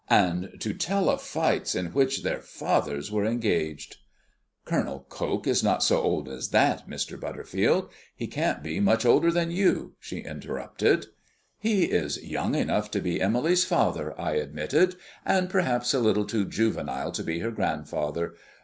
" And to tell of fights in which their fathers were engaged " "Col. Coke is not so old as that, Mr. Butterfield. He can't be much older than you," she interrupted. "He is young enough to be Emily's father," I admitted, "and perhaps a little too juvenile to be her grandfather.